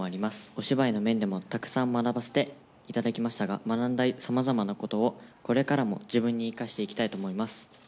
お芝居の面でも、たくさん学ばせていただきましたが、学んださまざまなことを、これからも自分に生かしていきたいと思います。